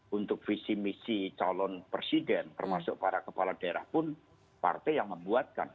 dan juga untuk visi visi calon presiden termasuk para kepala daerah pun partai yang membuatkan